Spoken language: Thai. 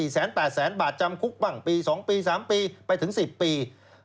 แสน๘แสนบาทจำคุกบ้างปี๒ปี๓ปีไปถึง๑๐ปี